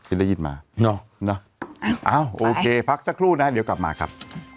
พี่ได้ยินมาเนอะเนอะเอาไปเอาโอเคพักสักครู่นะเดี๋ยวกลับมาครับ